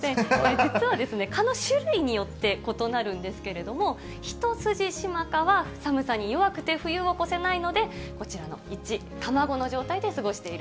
実はですね、蚊の種類によって異なるんですけれども、ヒトスジシマカは寒さに弱くて冬を越せないので、こちらの１、卵の状態で過ごしている。